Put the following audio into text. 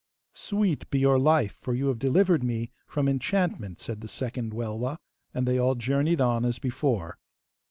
'Sweet be your life, for you have delivered me from enchantment,' said the second Welwa, and they all journeyed on as before.